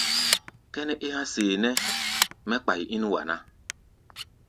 Kʼɛ́nɛ́ é há̧ seeʼnɛ́ mɛ́ kpai ín wa ná.